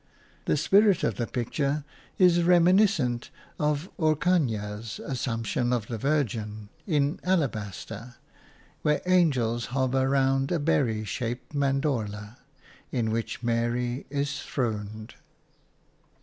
The spirit of the picture is reminiscent of Orcagna's Assumption of the Virgin in alabaster, where angels hover round a berry shaped mandorla in which Mary is throned.